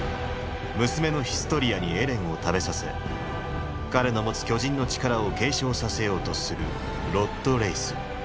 娘のヒストリアにエレンを食べさせ彼の持つ巨人の力を継承させようとするロッド・レイス。